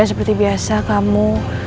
dan seperti biasa kamu